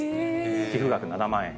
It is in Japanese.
寄付額７万円。